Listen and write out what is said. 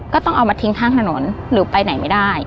ก็ต้องเอามาทิ้งข้างถนนหรือไปไหนไม่ได้